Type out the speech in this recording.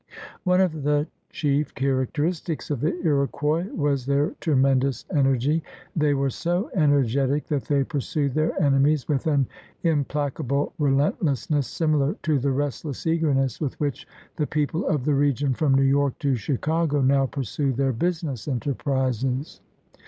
One of the chief characteristics of the Iroquois was their tremendous energy. They were so ener getic that they pursued their enemies with an ■ implacable relentlessness similar to the restless eagerness with which the people of the region from New York to Chicago now pursue their business enterprises.